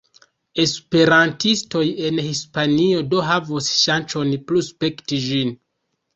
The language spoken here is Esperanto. Esperantistoj en Hispanio do havos ŝancon plu spekti ĝin.